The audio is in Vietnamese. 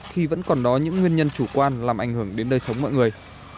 khi vẫn còn đó những nguyên nhân chủ quan làm ảnh hưởng đến đời sống mọi người